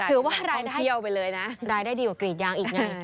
ถือว่ารายได้ดีกว่ากรีดยางอีกไง